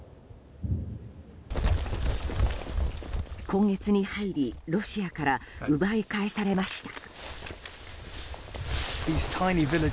今月に入りロシアから奪い返されました。